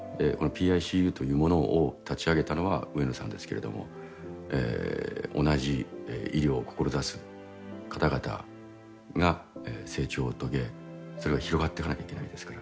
このＰＩＣＵというものを立ち上げたのは植野さんですけれども同じ医療を志す方々が成長を遂げそれが広がっていかなきゃいけないですから。